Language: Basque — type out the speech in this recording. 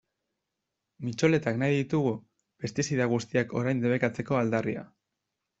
Mitxoletak nahi ditugu, pestizida guztiak orain debekatzeko aldarria.